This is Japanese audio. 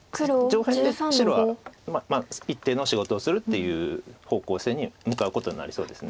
上辺で白は一定の仕事をするっていう方向性に向かうことになりそうです。